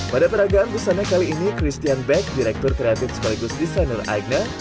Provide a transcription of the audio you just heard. pada peragaan busanya kali ini christian beck direktur kreatif sekaligus desainer aigner